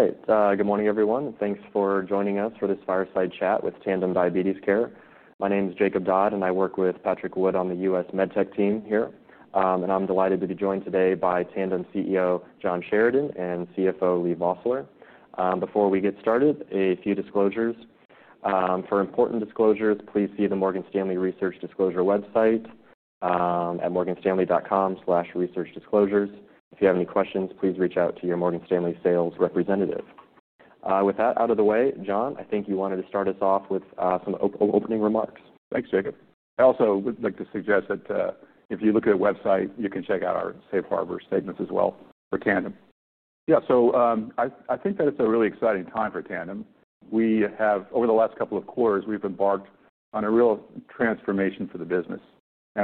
All right. Good morning, everyone. Thanks for joining us for this fireside chat with Tandem Diabetes Care. My name is Jacob Dodd, and I work with Patrick Wood on the US MedTech team here. I'm delighted to be joined today by Tandem CEO, John Sheridan, and CFO, Leigh Vosseller. Before we get started, a few disclosures. For important disclosures, please see the Morgan Stanley Research Disclosure website at morganstanley.com/researchdisclosures. If you have any questions, please reach out to your Morgan Stanley sales representative. With that out of the way, John, I think you wanted to start us off with some opening remarks. Thanks, Jacob. I also would like to suggest that if you look at the website, you can check out our Safe Harbor statements as well for Tandem. I think that it's a really exciting time for Tandem. We have, over the last couple of quarters, embarked on a real transformation for the business.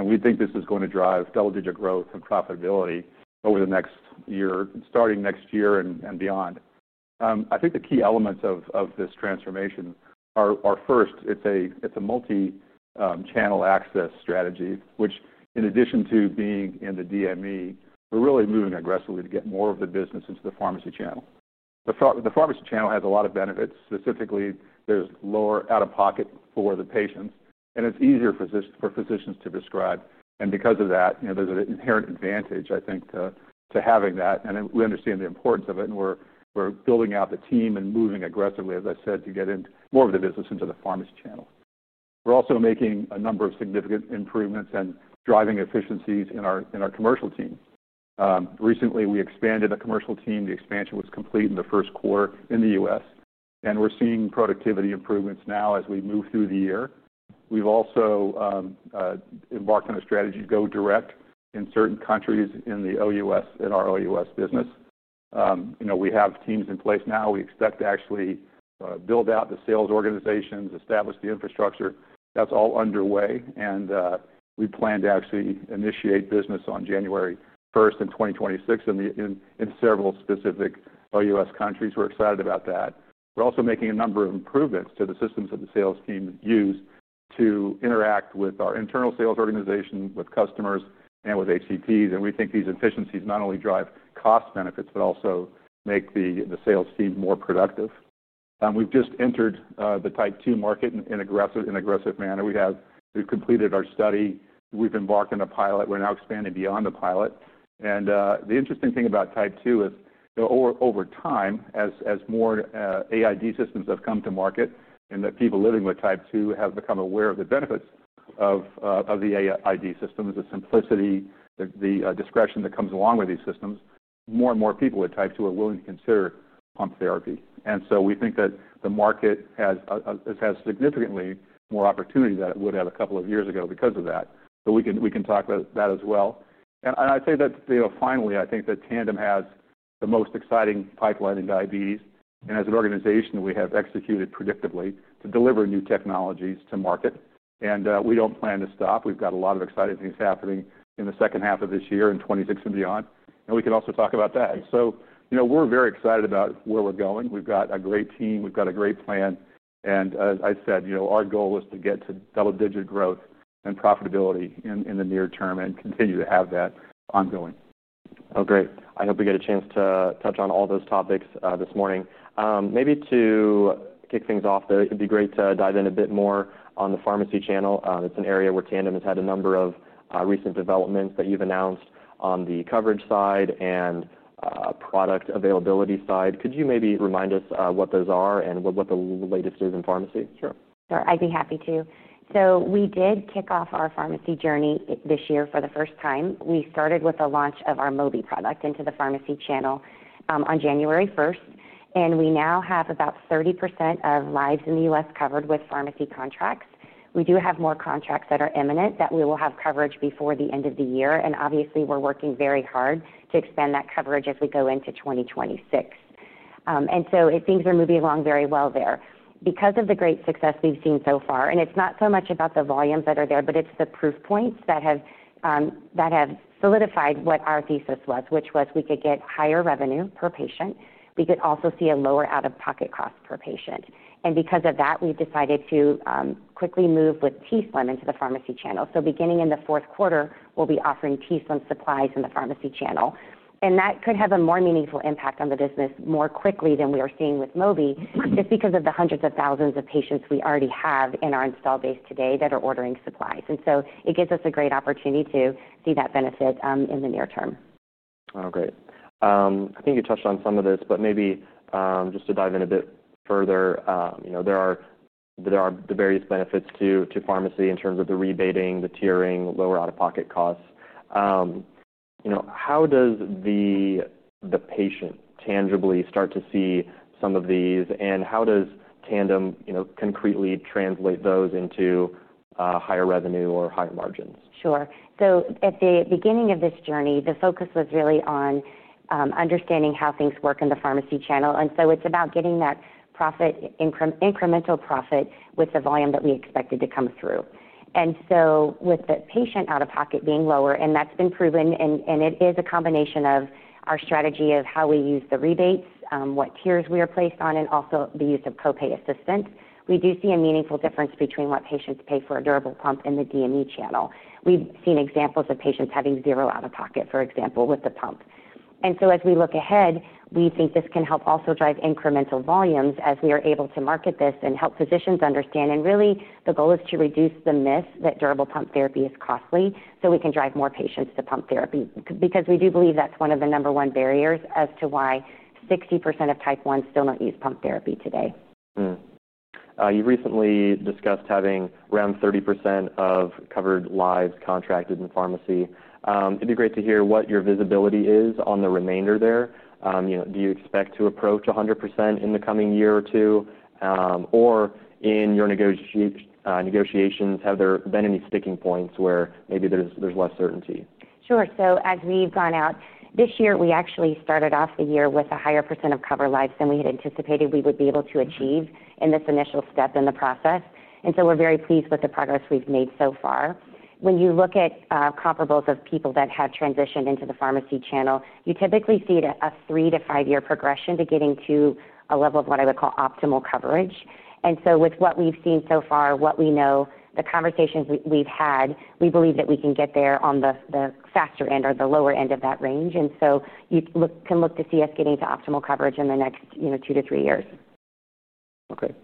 We think this is going to drive double-digit growth and profitability over the next year, starting next year and beyond. I think the key elements of this transformation are, first, it's a multi-channel access strategy, which, in addition to being in the DME, we're really moving aggressively to get more of the business into the pharmacy channel. The pharmacy channel has a lot of benefits. Specifically, there's lower out-of-pocket for the patients, and it's easier for physicians to prescribe. Because of that, there's an inherent advantage, I think, to having that. We understand the importance of it, and we're building out the team and moving aggressively, as I said, to get more of the business into the pharmacy channel. We're also making a number of significant improvements and driving efficiencies in our commercial team. Recently, we expanded the commercial team. The expansion was complete in the first quarter in the U.S., and we're seeing productivity improvements now as we move through the year. We've also embarked on a strategy to go direct in certain countries in our OUS business. We have teams in place now. We expect to actually build out the sales organizations, establish the infrastructure. That's all underway. We plan to actually initiate business on January 1, 2026, in several specific OUS countries. We're excited about that. We're also making a number of improvements to the systems that the sales team use to interact with our internal sales organization, with customers, and with HCPs. We think these efficiencies not only drive cost benefits, but also make the sales team more productive. We've just entered the type 2 market in an aggressive manner. We've completed our study. We've embarked on a pilot. We're now expanding beyond the pilot. The interesting thing about type 2 is, over time, as more AID systems have come to market and as people living with type 2 have become aware of the benefits of the AID systems, the simplicity, the discretion that comes along with these systems, more and more people with type 2 are willing to consider pump therapy. We think that the market has significantly more opportunity than it would have a couple of years ago because of that. We can talk about that as well. Finally, I think that Tandem Diabetes Care has the most exciting pipeline in diabetes. As an organization, we have executed predictably to deliver new technologies to market, and we don't plan to stop. We've got a lot of exciting things happening in the second half of this year, in 2026, and beyond. We can also talk about that. We are very excited about where we're going. We've got a great team and a great plan. As I said, our goal is to get to double-digit growth and profitability in the near term and continue to have that ongoing. Great. I hope we get a chance to touch on all those topics this morning. Maybe to kick things off, it'd be great to dive in a bit more on the pharmacy channel. It's an area where Tandem has had a number of recent developments that you've announced on the coverage side and product availability side. Could you maybe remind us what those are and what the latest is in pharmacy? Sure. I'd be happy to. We did kick off our pharmacy journey this year for the first time. We started with the launch of our Tandem Mobi system into the pharmacy channel on January 1. We now have about 30% of lives in the U.S. covered with pharmacy contracts. We have more contracts that are imminent that we will have coverage before the end of the year. Obviously, we're working very hard to expand that coverage as we go into 2026. Things are moving along very well there because of the great success we've seen so far. It's not so much about the volumes that are there, but it's the proof points that have solidified what our thesis was, which was we could get higher revenue per patient. We could also see a lower out-of-pocket cost per patient. Because of that, we've decided to quickly move with t:slim X2 into the pharmacy channel. Beginning in the fourth quarter, we'll be offering t:slim X2 supplies in the pharmacy channel. That could have a more meaningful impact on the business more quickly than we are seeing with Tandem Mobi system just because of the hundreds of thousands of patients we already have in our install base today that are ordering supplies. It gives us a great opportunity to see that benefit in the near term. Oh, great. I think you touched on some of this, but maybe just to dive in a bit further, you know, there are the various benefits to pharmacy in terms of the rebating, the tiering, lower out-of-pocket costs. How does the patient tangibly start to see some of these, and how does Tandem concretely translate those into higher revenue or higher margins? At the beginning of this journey, the focus was really on understanding how things work in the pharmacy channel. It is about getting that profit, incremental profit, with the volume that we expected to come through. With the patient out-of-pocket being lower, and that's been proven, and it is a combination of our strategy of how we use the rebates, what tiers we are placed on, and also the use of copay assistance, we do see a meaningful difference between what patients pay for a durable pump in the DME channel. We've seen examples of patients having zero out-of-pocket, for example, with the pump. As we look ahead, we think this can help also drive incremental volumes as we are able to market this and help physicians understand. The goal is to reduce the myth that durable pump therapy is costly so we can drive more patients to pump therapy because we do believe that's one of the number one barriers as to why 60% of type 1 still don't use pump therapy today. You recently discussed having around 30% of covered lives contracted in pharmacy. It'd be great to hear what your visibility is on the remainder there. Do you expect to approach 100% in the coming year or two? In your negotiations, have there been any sticking points where maybe there's less certainty? Sure. As we've gone out this year, we actually started off the year with a higher % of covered lives than we had anticipated we would be able to achieve in this initial step in the process. We are very pleased with the progress we've made so far. When you look at comparables of people that have transitioned into the pharmacy channel, you typically see a three to five-year progression to getting to a level of what I would call optimal coverage. With what we've seen so far, what we know, the conversations we've had, we believe that we can get there on the faster end or the lower end of that range. You can look to see us getting to optimal coverage in the next two to three years. OK.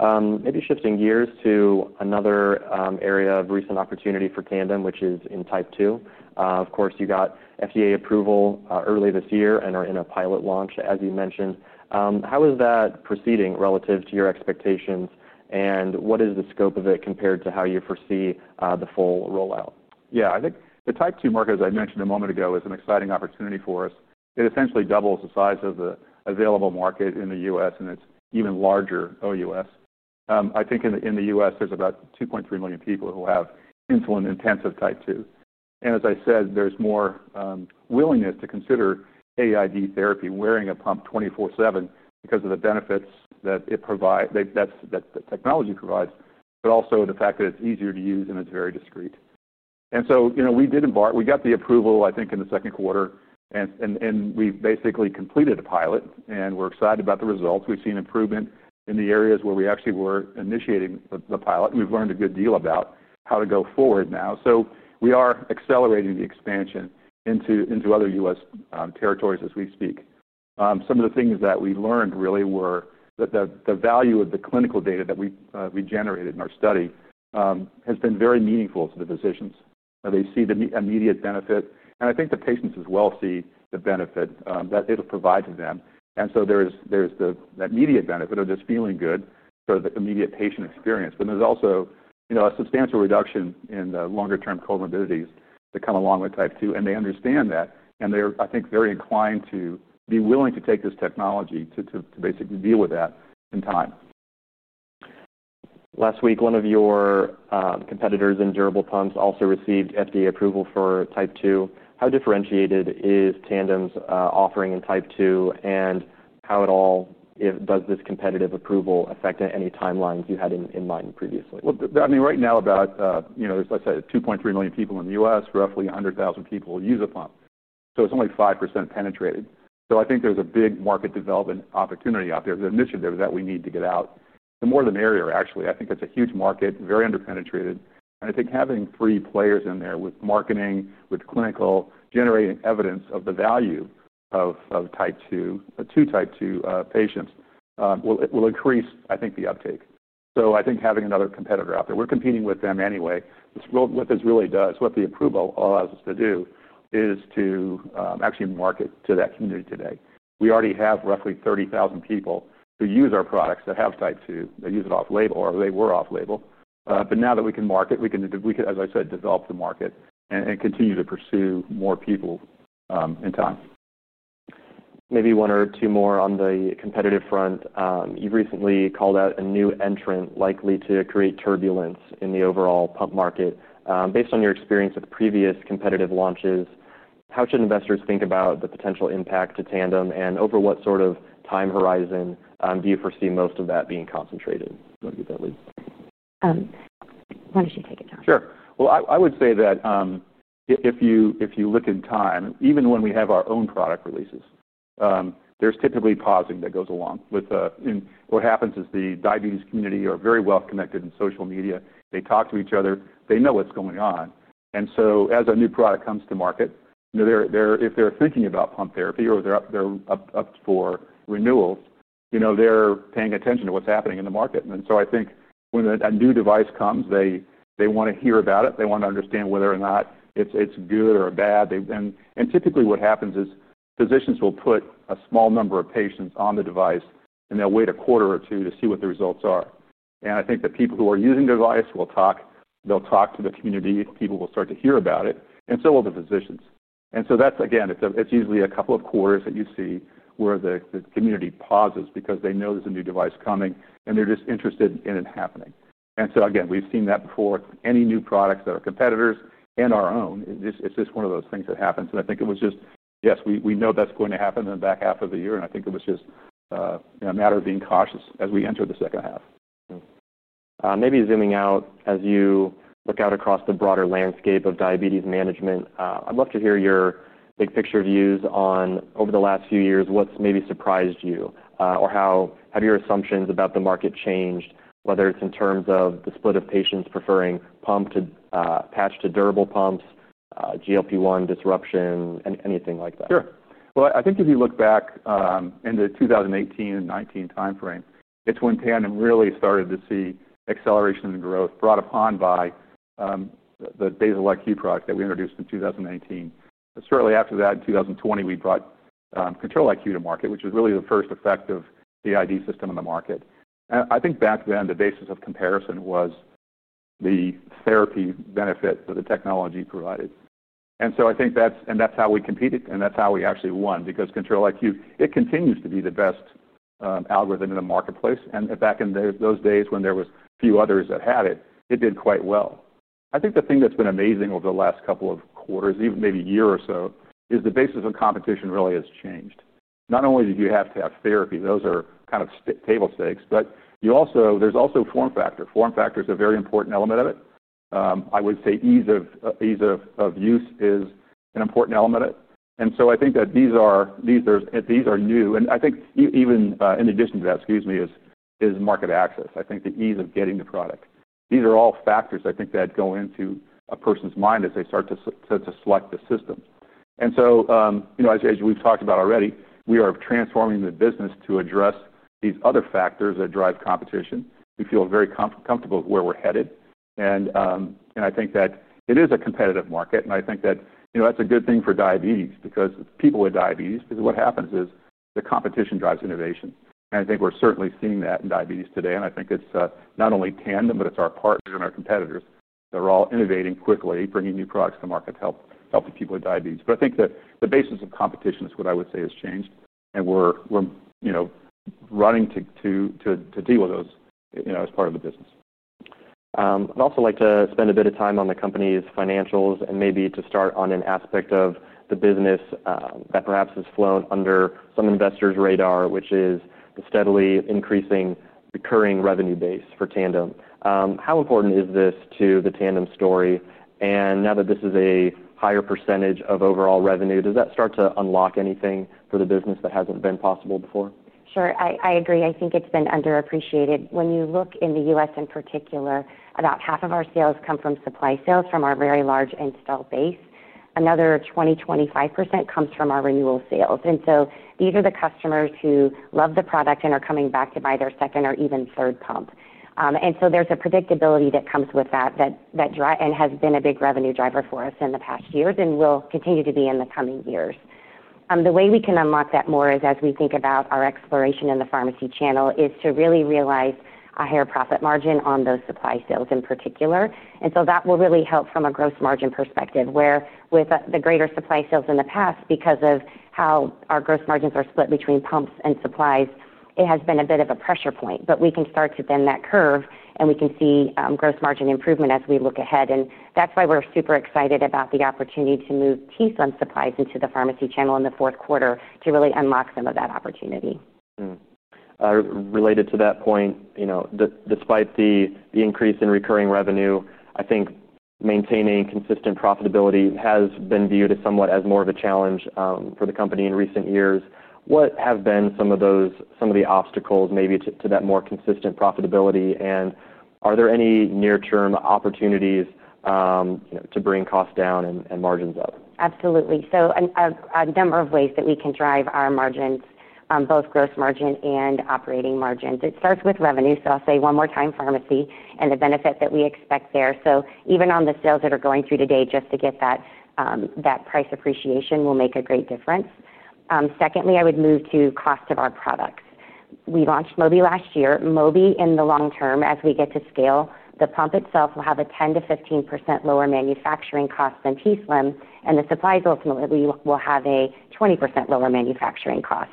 Maybe shifting gears to another area of recent opportunity for Tandem, which is in type 2. Of course, you got FDA approval early this year and are in a pilot launch, as you mentioned. How is that proceeding relative to your expectations, and what is the scope of it compared to how you foresee the full rollout? Yeah, I think the type 2 market, as I mentioned a moment ago, is an exciting opportunity for us. It essentially doubles the size of the available market in the U.S., and it's even larger OUS. I think in the U.S., there's about 2.3 million people who have insulin-intensive type 2. As I said, there's more willingness to consider AID therapy, wearing a pump 24/7, because of the benefits that the technology provides, but also the fact that it's easier to use, and it's very discrete. We did embark. We got the approval, I think, in the second quarter, and we basically completed a pilot. We're excited about the results. We've seen improvement in the areas where we actually were initiating the pilot. We've learned a good deal about how to go forward now. We are accelerating the expansion into other U.S. territories as we speak. Some of the things that we learned really were that the value of the clinical data that we generated in our study has been very meaningful to the physicians. They see the immediate benefit. I think the patients as well see the benefit that it'll provide to them. There's that immediate benefit of just feeling good for the immediate patient experience. There's also a substantial reduction in the longer-term comorbidities that come along with type 2. They understand that. They are, I think, very inclined to be willing to take this technology to basically deal with that in time. Last week, one of your competitors in durable pumps also received FDA approval for type 2. How differentiated is Tandem's offering in type 2, and how at all does this competitive approval affect any timelines you had in mind previously? Right now, about, you know, let's say 2.3 million people in the U.S., roughly 100,000 people use a pump. It's only 5% penetrated. I think there's a big market development opportunity out there. The mission there is that we need to get out. The more the merrier, actually. I think it's a huge market, very underpenetrated. I think having three players in there with marketing, with clinical, generating evidence of the value of type 2, to type 2 patients, will increase, I think, the uptake. I think having another competitor out there, we're competing with them anyway. What this really does, what the approval allows us to do, is to actually market to that community today. We already have roughly 30,000 people who use our products that have type 2. They use it off-label, or they were off-label. Now that we can market, we can, as I said, develop the market and continue to pursue more people in time. Maybe one or two more on the competitive front. You've recently called out a new entrant likely to create turbulence in the overall pump market. Based on your experience with previous competitive launches, how should investors think about the potential impact to Tandem, and over what sort of time horizon do you foresee most of that being concentrated? Why don't you take it, John? Sure. I would say that if you look in time, even when we have our own product releases, there's typically pausing that goes along with it. What happens is the diabetes community is very well connected in social media. They talk to each other. They know what's going on. As a new product comes to market, if they're thinking about pump therapy or they're up for renewals, they're paying attention to what's happening in the market. I think when a new device comes, they want to hear about it. They want to understand whether or not it's good or bad. Typically, what happens is physicians will put a small number of patients on the device, and they'll wait a quarter or two to see what the results are. I think the people who are using the device will talk. They'll talk to the community. People will start to hear about it, and so will the physicians. That's, again, it's usually a couple of quarters that you see where the community pauses because they know there's a new device coming, and they're just interested in it happening. We've seen that before with any new products that are competitors and our own. It's just one of those things that happens. I think it was just, yes, we know that's going to happen in the back half of the year. I think it was just a matter of being cautious as we entered the second half. Maybe zooming out, as you look out across the broader landscape of diabetes management, I'd love to hear your big-picture views on, over the last few years, what's surprised you, or how have your assumptions about the market changed, whether it's in terms of the split of patients preferring pump to patch to durable pumps, GLP-1 disruption, anything like that? Sure. I think if you look back into the 2018 and 2019 time frame, it's when Tandem Diabetes Care really started to see acceleration and growth, brought upon by the Basal-IQ product that we introduced in 2018. Shortly after that, in 2020, we brought Control-IQ to market, which was really the first effective AID system in the market. I think back then, the basis of comparison was the therapy benefit that the technology provided. I think that's how we competed, and that's how we actually won because Control-IQ continues to be the best algorithm in the marketplace. Back in those days when there were a few others that had it, it did quite well. The thing that's been amazing over the last couple of quarters, even maybe a year or so, is the basis of competition really has changed. Not only do you have to have therapy, those are kind of table stakes, but there's also form factor. Form factor is a very important element of it. I would say ease of use is an important element of it. I think that these are new. Even in addition to that, excuse me, is market access. I think the ease of getting the product. These are all factors, I think, that go into a person's mind as they start to select the system. As we've talked about already, we are transforming the business to address these other factors that drive competition. We feel very comfortable with where we're headed. I think that it is a competitive market. I think that's a good thing for people with diabetes because what happens is the competition drives innovation. I think we're certainly seeing that in diabetes today. It's not only Tandem Diabetes Care, but it's our partners and our competitors that are all innovating quickly, bringing new products to market to help people with diabetes. I think that the basis of competition is what I would say has changed. We're running to deal with those as part of the business. I'd also like to spend a bit of time on the company's financials, maybe to start on an aspect of the business that perhaps has flown under some investors' radar, which is the steadily increasing recurring revenue base for Tandem. How important is this to the Tandem story? Now that this is a higher percentage of overall revenue, does that start to unlock anything for the business that hasn't been possible before? Sure. I agree. I think it's been underappreciated. When you look in the U.S. in particular, about half of our sales come from supply sales from our very large install base. Another 20% to 25% comes from our renewal sales. These are the customers who love the product and are coming back to buy their second or even third pump. There is a predictability that comes with that and it has been a big revenue driver for us in the past years and will continue to be in the coming years. The way we can unlock that more as we think about our exploration in the pharmacy channel is to really realize a higher profit margin on those supply sales in particular. That will really help from a gross margin perspective, where with the greater supply sales in the past, because of how our gross margins are split between pumps and supplies, it has been a bit of a pressure point. We can start to bend that curve, and we can see gross margin improvement as we look ahead. That is why we're super excited about the opportunity to move t:slim X2 supplies into the pharmacy channel in the fourth quarter to really unlock some of that opportunity. Related to that point, you know, despite the increase in recurring revenue, I think maintaining consistent profitability has been viewed as somewhat more of a challenge for the company in recent years. What have been some of the obstacles maybe to that more consistent profitability? Are there any near-term opportunities to bring costs down and margins up? Absolutely. A number of ways that we can drive our margins, both gross margin and operating margins. It starts with revenue. I'll say one more time, pharmacy and the benefit that we expect there. Even on the sales that are going through today, just to get that price appreciation will make a great difference. Secondly, I would move to cost of our products. We launched Mobi last year. Mobi in the long term, as we get to scale, the pump itself will have a 10% to 15% lower manufacturing cost than t:slim X2. The supplies ultimately will have a 20% lower manufacturing cost.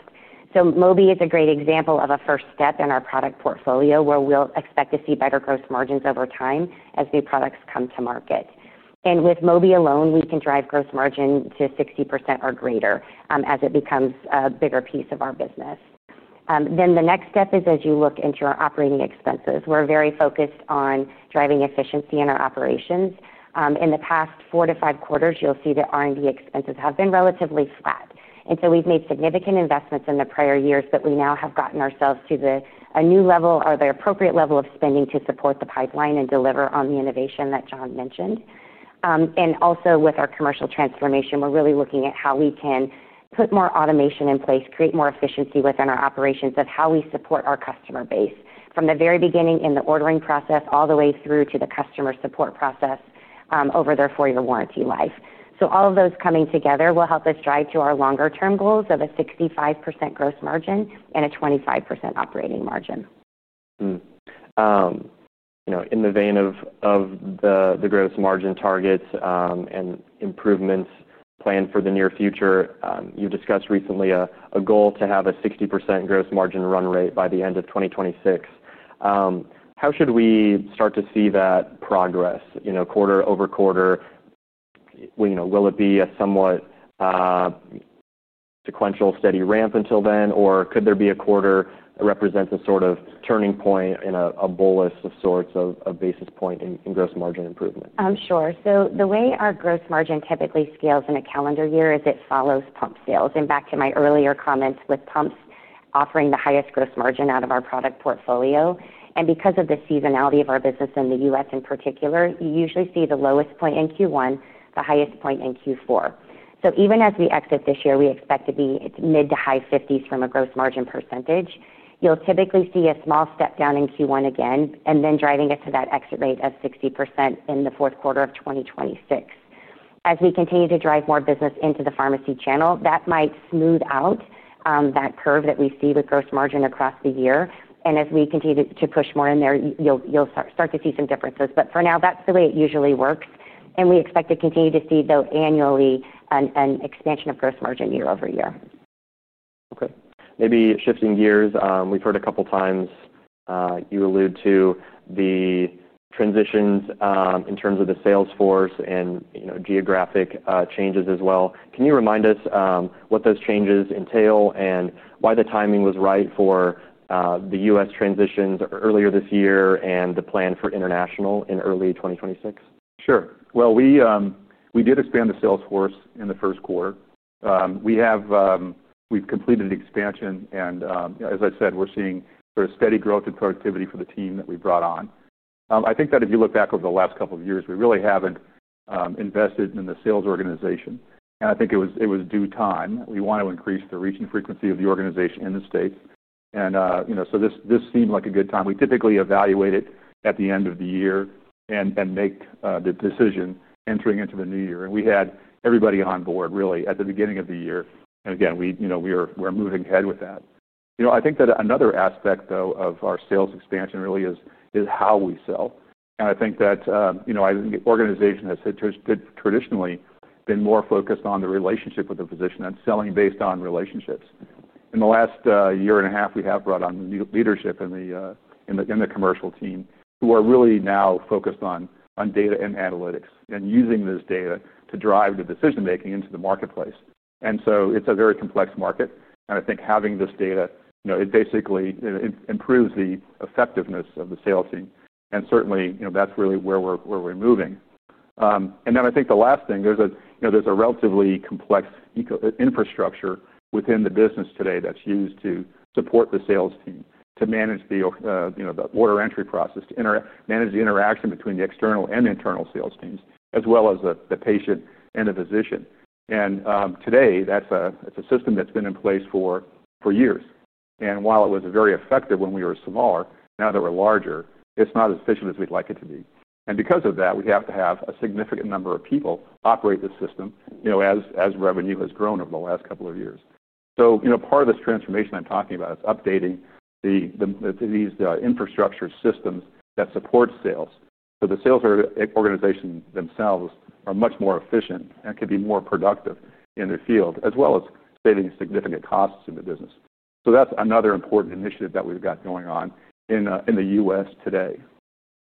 Mobi is a great example of a first step in our product portfolio where we'll expect to see better gross margins over time as new products come to market. With Mobi alone, we can drive gross margin to 60% or greater as it becomes a bigger piece of our business. The next step is as you look into our operating expenses. We're very focused on driving efficiency in our operations. In the past four to five quarters, you'll see that R&D expenses have been relatively flat. We've made significant investments in the prior years, but we now have gotten ourselves to a new level or the appropriate level of spending to support the pipeline and deliver on the innovation that John mentioned. Also with our commercial transformation, we're really looking at how we can put more automation in place, create more efficiency within our operations of how we support our customer base from the very beginning in the ordering process all the way through to the customer support process over their four-year warranty life. All of those coming together will help us drive to our longer-term goals of a 65% gross margin and a 25% operating margin. You know, in the vein of the greatest margin targets and improvements planned for the near future, you've discussed recently a goal to have a 60% gross margin run rate by the end of 2026. How should we start to see that progress quarter over quarter? Will it be a somewhat sequential steady ramp until then, or could there be a quarter that represents a sort of turning point and a bolus of sorts of basis point in gross margin improvement? Sure. The way our gross margin typically scales in a calendar year is it follows pump sales. Back to my earlier comments, with pumps offering the highest gross margin out of our product portfolio, and because of the seasonality of our business in the U.S. in particular, you usually see the lowest point in Q1, the highest point in Q4. Even as we exit this year, we expect to be mid to high 50% from a gross margin percentage. You'll typically see a small step down in Q1 again, then driving it to that exit rate of 60% in the fourth quarter of 2026. As we continue to drive more business into the pharmacy channel, that might smooth out that curve that we see with gross margin across the year. As we continue to push more in there, you'll start to see some differences. For now, that's the way it usually works. We expect to continue to see, though, annually, an expansion of gross margin year over year. OK. Maybe shifting gears, we've heard a couple of times you allude to the transitions in terms of the sales force and geographic changes as well. Can you remind us what those changes entail and why the timing was right for the U.S. transitions earlier this year and the plan for international in early 2026? Sure. We did expand the sales force in the first quarter. We've completed the expansion, and as I said, we're seeing sort of steady growth in productivity for the team that we brought on. I think that if you look back over the last couple of years, we really haven't invested in the sales organization, and I think it was due time. We want to increase the reach and frequency of the organization in the U.S., and this seemed like a good time. We typically evaluate it at the end of the year and make the decision entering into the new year, and we had everybody on board really at the beginning of the year. Again, we are moving ahead with that. I think that another aspect of our sales expansion really is how we sell. I think that the organization has traditionally been more focused on the relationship with the physician and selling based on relationships. In the last year and a half, we have brought on new leadership in the commercial team who are really now focused on data and analytics and using this data to drive the decision-making into the marketplace. It's a very complex market, and I think having this data basically improves the effectiveness of the sales team. Certainly, that's really where we're moving. I think the last thing, there's a relatively complex infrastructure within the business today that's used to support the sales team, to manage the order entry process, to manage the interaction between the external and internal sales teams, as well as the patient and the physician. Today, that's a system that's been in place for years, and while it was very effective when we were smaller, now that we're larger, it's not as efficient as we'd like it to be. Because of that, we have to have a significant number of people operate the system as revenue has grown over the last couple of years. Part of this transformation I'm talking about is updating these infrastructure systems that support sales, so the sales organization themselves are much more efficient and can be more productive in the field, as well as saving significant costs to the business. That's another important initiative that we've got going on in the U.S. today.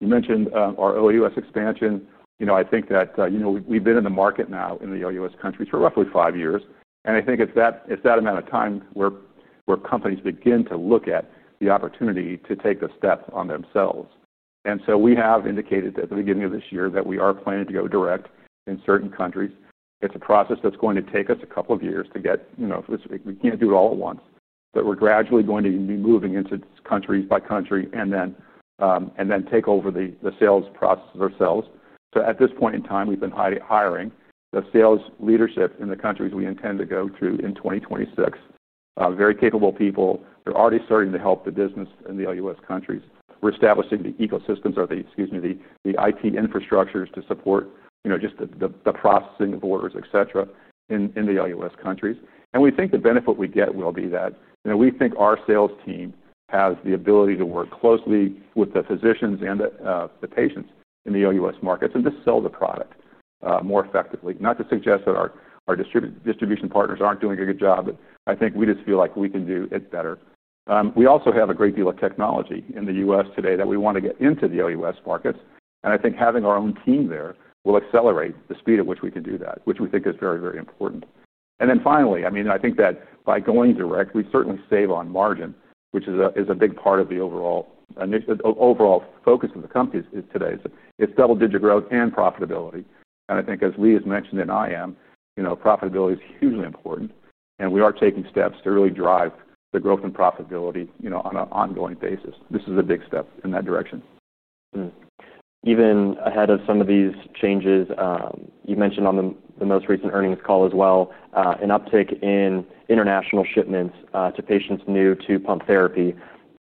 You mentioned our OUS expansion. I think that we've been in the market now in the OUS countries for roughly five years, and I think it's that amount of time where companies begin to look at the opportunity to take the steps on themselves. We have indicated at the beginning of this year that we are planning to go direct in certain countries. It's a process that's going to take us a couple of years to get, you know, we can't do it all at once. We're gradually going to be moving into countries by country and then take over the sales processes ourselves. At this point in time, we've been hiring the sales leadership in the countries we intend to go to in 2026. Very capable people. They're already starting to help the business in the OUS countries. We're establishing the ecosystems or the, excuse me, the IT infrastructures to support just the processing of orders, et cetera, in the OUS countries. We think the benefit we get will be that we think our sales team has the ability to work closely with the physicians and the patients in the OUS markets and just sell the product more effectively. Not to suggest that our distribution partners aren't doing a good job, but I think we just feel like we can do it better. We also have a great deal of technology in the U.S. today that we want to get into the OUS markets. I think having our own team there will accelerate the speed at which we can do that, which we think is very, very important. Finally, I mean, I think that by going direct, we'd certainly save on margin, which is a big part of the overall focus of the company today. It's double-digit growth and profitability. I think, as Leigh has mentioned and I am, profitability is hugely important. We are taking steps to really drive the growth and profitability on an ongoing basis. This is a big step in that direction. Even ahead of some of these changes, you mentioned on the most recent earnings call as well, an uptick in international shipments to patients new to pump therapy,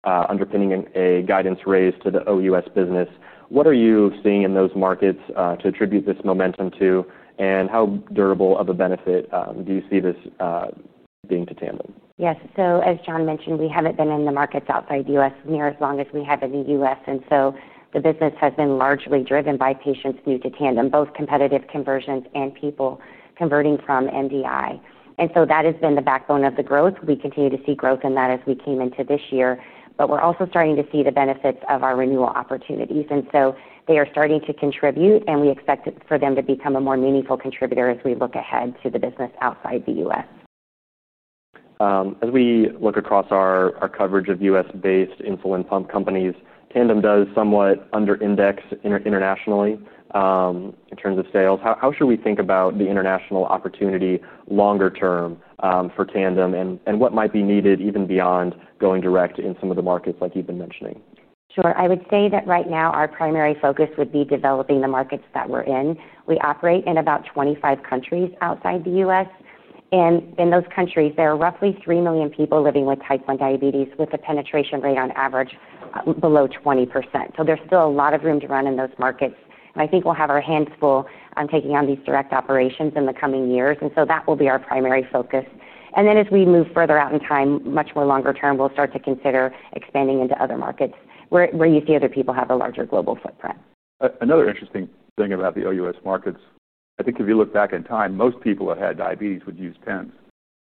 underpinning a guidance raised to the OUS business. What are you seeing in those markets to attribute this momentum to, and how durable of a benefit do you see this being to Tandem? Yes. As John mentioned, we haven't been in the markets outside the U.S. near as long as we have in the U.S., and the business has been largely driven by patients new to Tandem, both competitive conversions and people converting from MDI. That has been the backbone of the growth. We continue to see growth in that as we came into this year. We're also starting to see the benefit of our renewal opportunities. They are starting to contribute, and we expect for them to become a more meaningful contributor as we look ahead to the business outside the U.S. As we look across our coverage of U.S.-based insulin pump companies, Tandem does somewhat under-index internationally in terms of sales. How should we think about the international opportunity longer term for Tandem and what might be needed even beyond going direct in some of the markets like you've been mentioning? Sure. I would say that right now our primary focus would be developing the markets that we're in. We operate in about 25 countries outside the U.S., and in those countries, there are roughly 3 million people living with type 1 diabetes with a penetration rate on average below 20%. There's still a lot of room to run in those markets. I think we'll have our hands full on taking on these direct operations in the coming years, so that will be our primary focus. As we move further out in time, much more longer term, we'll start to consider expanding into other markets where you see other people have a larger global footprint. Another interesting thing about the OUS markets, I think if you look back in time, most people that had diabetes would use pens,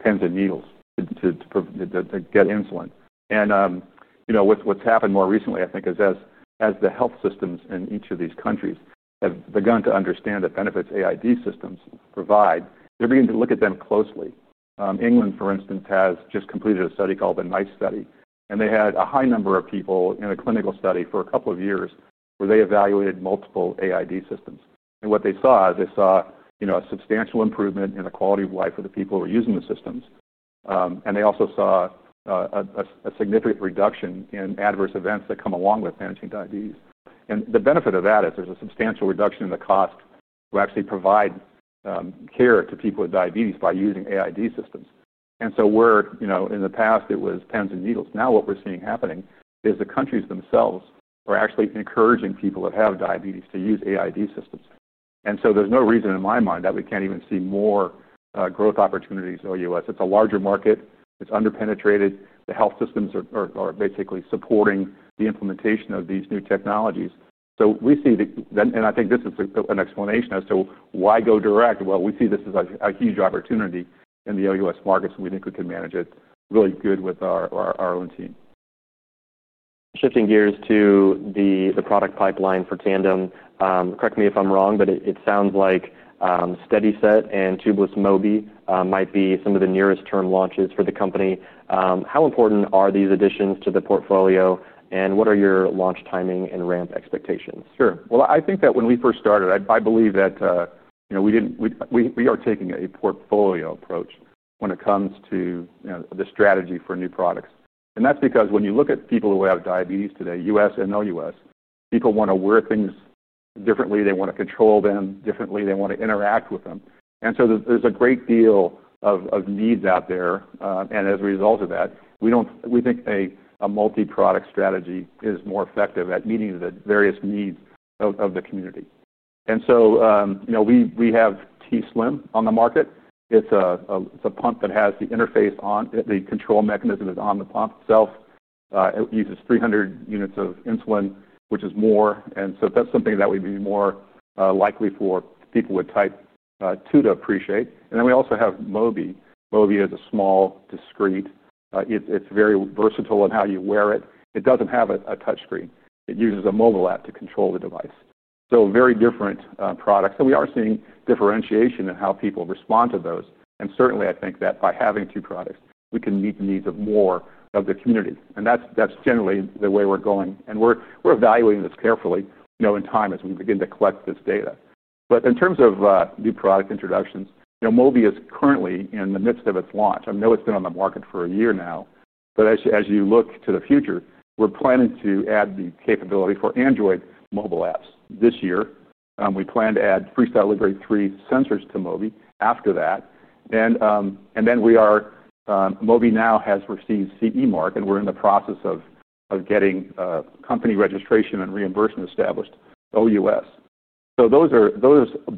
pens and needles to get insulin. You know what's happened more recently, I think, is as the health systems in each of these countries have begun to understand the benefits AID systems provide, they're beginning to look at them closely. England, for instance, has just completed a study called the MICE study. They had a high number of people in a clinical study for a couple of years where they evaluated multiple AID systems. What they saw, they saw a substantial improvement in the quality of life of the people who were using the systems. They also saw a significant reduction in adverse events that come along with managing diabetes. The benefit of that is there's a substantial reduction in the cost to actually provide care to people with diabetes by using AID systems. Where, you know, in the past, it was pens and needles. Now what we're seeing happening is the countries themselves are actually encouraging people that have diabetes to use AID systems. There's no reason in my mind that we can't even see more growth opportunities in the OUS. It's a larger market. It's underpenetrated. The health systems are basically supporting the implementation of these new technologies. We see that, and I think this is an explanation as to why go direct. We see this as a huge opportunity in the OUS markets. We think we can manage it really good with our own team. Shifting gears to the product pipeline for Tandem Diabetes Care, correct me if I'm wrong, but it sounds like SteadySet and Tubeless Mobi might be some of the nearest-term launches for the company. How important are these additions to the portfolio, and what are your launch timing and ramp expectations? Sure. I think that when we first started, I believe that we are taking a portfolio approach when it comes to the strategy for new products. That's because when you look at people who have diabetes today, U.S. and OUS, people want to wear things differently. They want to control them differently. They want to interact with them. There's a great deal of needs out there. As a result of that, we think a multi-product strategy is more effective at meeting the various needs of the community. You know we have t:slim X2 on the market. It's a pump that has the interface on. The control mechanism is on the pump itself. It uses 300 units of insulin, which is more. That's something that would be more likely for people with type 2 to appreciate. We also have Tandem Mobi system. Mobi is small, discrete. It's very versatile in how you wear it. It doesn't have a touchscreen. It uses a mobile app to control the device. Very different products. We are seeing differentiation in how people respond to those. I think that by having two products, we can meet the needs of more of the community. That's generally the way we're going. We're evaluating this carefully in time as we begin to collect this data. In terms of new product introductions, Tandem Mobi system is currently in the midst of its launch. I know it's been on the market for a year now. As you look to the future, we're planning to add the capability for Android mobile apps this year. We plan to add FreeStyle Libre 3 sensors to Tandem Mobi system after that. Mobi now has received CE mark, and we're in the process of getting company registration and reimbursement established OUS. Those are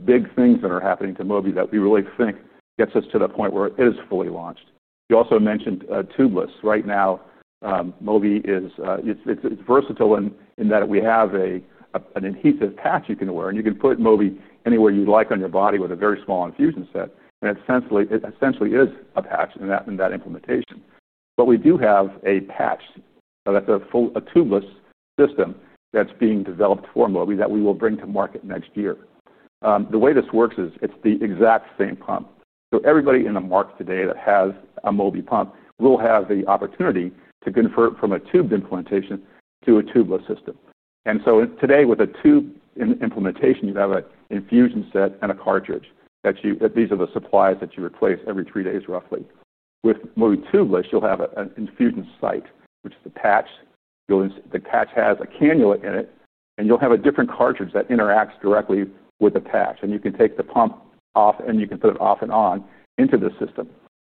big things that are happening to Tandem Mobi system that we really think gets us to the point where it is fully launched. You also mentioned Tubeless. Right now, Tandem Mobi system is versatile in that we have an adhesive patch you can wear. You can put Tandem Mobi system anywhere you'd like on your body with a very small infusion set. It essentially is a patch in that implementation. We do have a patch, a Tubeless Mobi system that's being developed for Tandem Mobi system that we will bring to market next year. The way this works is it's the exact same pump. Everybody in the market today that has a Tandem Mobi system will have the opportunity to convert from a tube implementation to a Tubeless system. Today, with a tube implementation, you have an infusion set and a cartridge. These are the supplies that you replace every three days, roughly. With Mobi Tubeless, you'll have an infusion site, which is the patch. The patch has a cannula in it, and you'll have a different cartridge that interacts directly with the patch. You can take the pump off, and you can put it off and on into the system.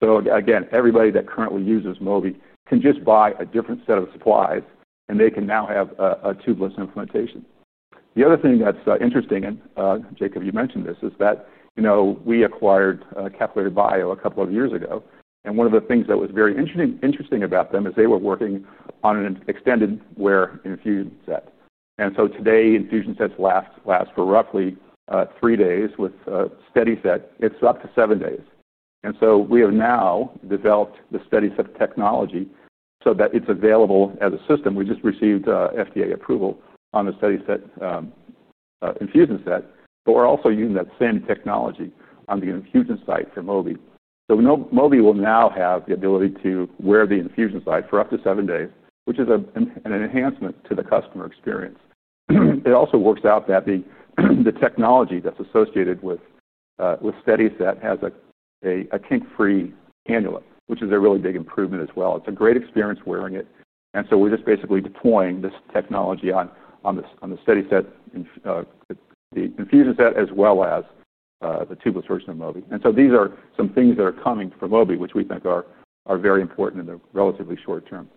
Everybody that currently uses Mobi can just buy a different set of supplies, and they can now have a Tubeless implantation. The other thing that's interesting, and Jacob, you mentioned this, is that we acquired Capillary Bio a couple of years ago. One of the things that was very interesting about them is they were working on an extended wear infusion set. Today, infusion sets last for roughly three days. With SteadySet, it's up to seven days. We have now developed the SteadySet technology so that it's available as a system. We just received FDA approval on the SteadySet infusion set. We're also using that same technology on the infusion site for Mobi. Mobi will now have the ability to wear the infusion site for up to seven days, which is an enhancement to the customer experience. It also works out that the technology that's associated with SteadySet has a kink-free cannula, which is a really big improvement as well. It's a great experience wearing it. We're just basically deploying this technology on the SteadySet, the infusion set, as well as the Tubeless version of Mobi. These are some things that are coming for Mobi, which we think are very important in the relatively short term.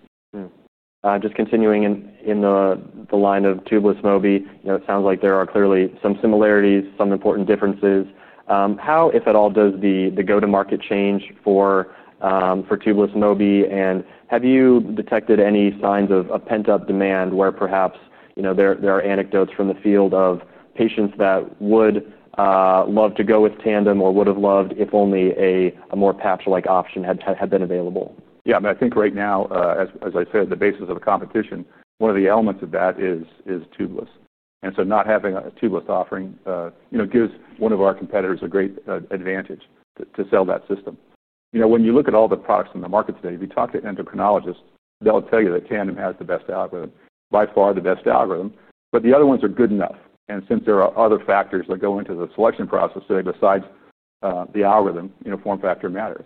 Just continuing in the line of Tubeless Mobi, it sounds like there are clearly some similarities, some important differences. How, if at all, does the go-to-market change for Tubeless Mobi? Have you detected any signs of pent-up demand where perhaps there are anecdotes from the field of patients that would love to go with Tandem or would have loved if only a more patch-like option had been available? I mean, I think right now, as I said, the basis of competition, one of the elements of that is Tubeless. Not having a Tubeless offering gives one of our competitors a great advantage to sell that system. When you look at all the products in the market today, if you talk to endocrinologists, they'll tell you that Tandem has the best algorithm, by far the best algorithm. The other ones are good enough, and since there are other factors that go into the selection process today besides the algorithm, form factor matters.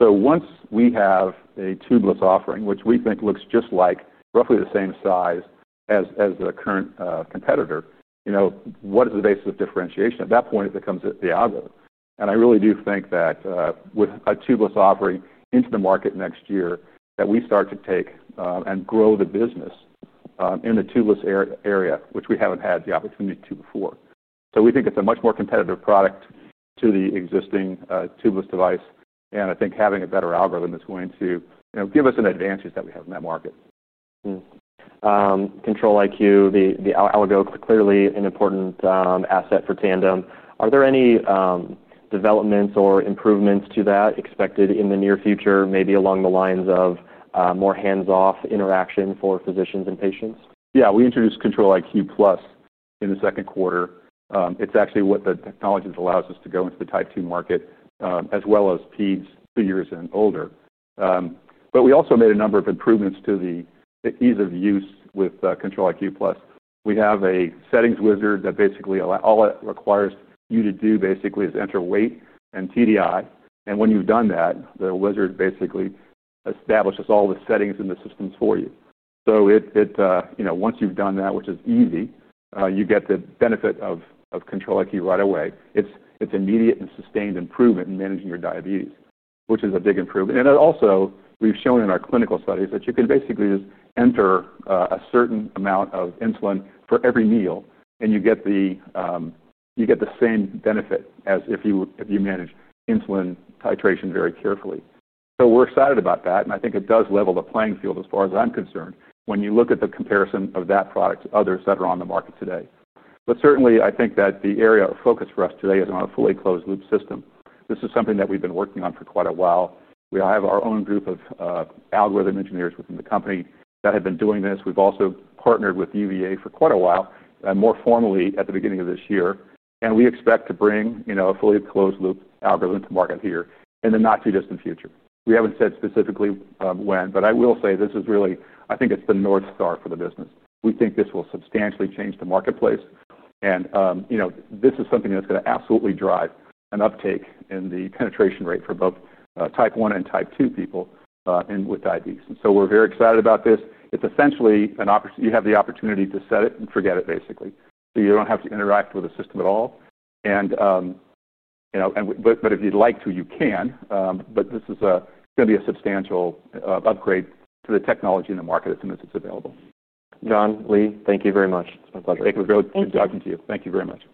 Once we have a Tubeless offering, which we think looks just like roughly the same size as the current competitor, what is the basis of differentiation? At that point, it becomes the algorithm. I really do think that with a Tubeless offering into the market next year, we start to take and grow the business in the Tubeless area, which we haven't had the opportunity to before. We think it's a much more competitive product to the existing Tubeless device, and I think having a better algorithm is going to give us an advantage that we have in that market. Control-IQ, the algorithm, clearly an important asset for Tandem Diabetes Care. Are there any developments or improvements to that expected in the near future, maybe along the lines of more hands-off interaction for physicians and patients? Yeah, we introduced Control-IQ+ in the second quarter. It's actually what the technology that allows us to go into the type 2 market, as well as peds, fingers, and older. We also made a number of improvements to the ease of use with Control-IQ+. We have a settings wizard that basically all it requires you to do is enter weight and TDI. When you've done that, the wizard basically establishes all the settings in the systems for you. Once you've done that, which is easy, you get the benefit of Control-IQ right away. It's immediate and sustained improvement in managing your diabetes, which is a big improvement. We've shown in our clinical studies that you can basically just enter a certain amount of insulin for every meal, and you get the same benefit as if you manage insulin titration very carefully. We're excited about that. I think it does level the playing field as far as I'm concerned when you look at the comparison of that product to others that are on the market today. Certainly, I think that the area of focus for us today is on a fully closed-loop system. This is something that we've been working on for quite a while. We have our own group of algorithm engineers within the company that have been doing this. We've also partnered with the University of Virginia for quite a while, more formally at the beginning of this year. We expect to bring a fully closed-loop algorithm to market here in the not too distant future. We haven't said specifically when, but I will say this is really, I think it's the North Star for the business. We think this will substantially change the marketplace. This is something that's going to absolutely drive an uptick in the penetration rate for both type 1 and type 2 people with diabetes. We're very excited about this. It's essentially an opportunity. You have the opportunity to set it and forget it, basically. You don't have to interact with the system at all. If you'd like to, you can. This is going to be a substantial upgrade to the technology in the market as soon as it's available. John, Leigh, thank you very much. It's been a pleasure. Jacob, great talking to you. Thank you very much. Thanks.